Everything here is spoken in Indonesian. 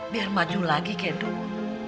biar maju lagi kayak dulu